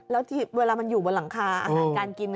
แล้วเวลามันอยู่บนหลังคาอาหารการกิน